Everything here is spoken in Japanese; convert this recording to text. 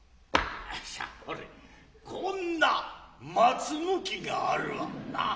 これこんな松の木があるわなあ。